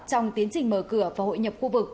trong tiến trình mở cửa và hội nhập khu vực